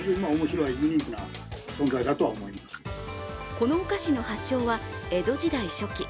このお菓子の発祥は江戸時代初期。